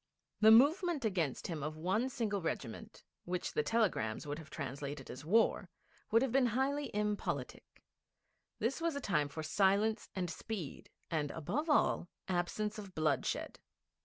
The movement against him of one single regiment which the telegrams would have translated as war would have been highly impolitic. This was a time for silence and speed, and, above all, absence of bloodshed.